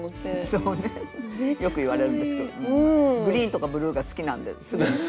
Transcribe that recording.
そうねよく言われるんですけどもグリーンとかブルーが好きなんですぐに使いたがる。